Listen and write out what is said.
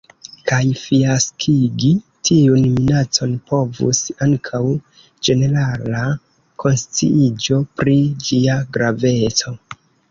Kaj fiaskigi tiun minacon povus ankaŭ ĝenerala konsciiĝo pri ĝia graveco.